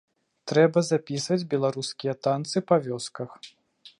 Трэба запісваць беларускія танцы па вёсках.